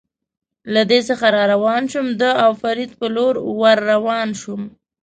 له ده څخه را روان شوم، د او فرید په لور ور روان شوم.